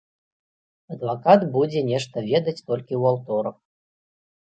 Адвакат будзе нешта ведаць толькі ў аўторак.